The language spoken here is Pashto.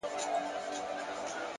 خپل مسیر د ارزښتونو پر بنسټ وټاکئ!